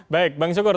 baik bang syukur